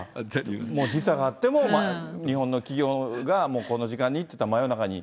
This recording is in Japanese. もう時差があっても、日本の企業が、もう、この時間にっていったら、真夜中に。